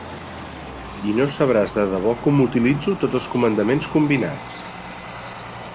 I no sabràs de debò com utilitzo tots els comandaments combinats.